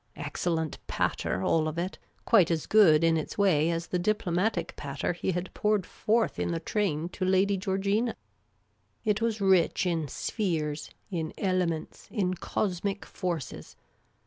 Excellent pat ter, all of it — quite as good in its way as the diplomatic patter he had poured forth in the train to Lady Georgina. It was rich in spheres, in elements, in cosmic forces.